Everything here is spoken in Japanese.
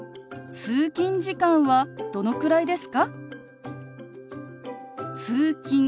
通勤時間はどのくらいですか？